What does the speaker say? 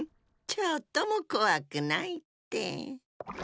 ちょっともこわくないって。